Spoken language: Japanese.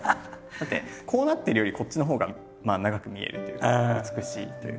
だってこうなってるよりこっちのほうが長く見えるというか美しいというか。